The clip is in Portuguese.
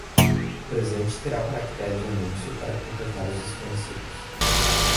O presente terá um caractere de anúncio para proprietários desconhecidos.